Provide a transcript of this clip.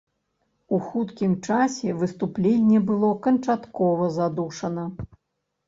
У хуткім часе выступленне было канчаткова задушана.